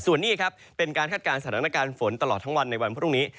ส่วนนี้ครับเป็นการคาดการณ์สถานการณ์ฝนตลอดทั้งวันในวันพรุ่งนี้